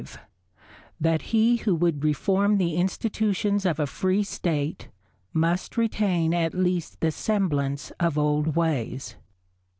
—_That he who would reform the Institutions of a free State, must retain at least the semblance of old Ways.